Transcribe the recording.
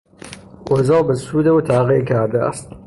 اوضاع به سود او تغییر کرده است.